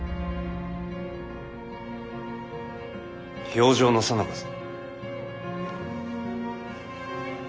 評定のさなかぞ。